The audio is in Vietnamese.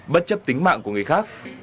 bất chấp tính mạng của người khác